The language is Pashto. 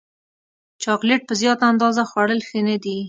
چاکلېټ په زیاته اندازه خوړل ښه نه دي.